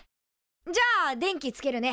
じゃあ電気つけるね。